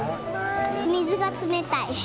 水が冷たい。